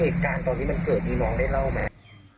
เหตุการณ์ตอนที่มันเกิดนี้น้องได้เล่าไหม